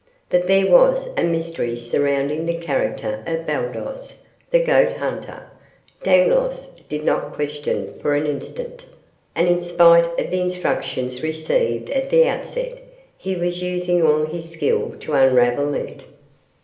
That there was a mystery surrounding the character of Baldos, the goat hunter, Dangloss did not question for an instant: and in spite of the instructions received at the outset, he was using all his skill to unravel it.